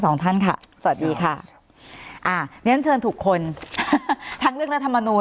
สองท่านค่ะสวัสดีค่ะอ่าเรียนเชิญทุกคนทั้งเรื่องรัฐมนูล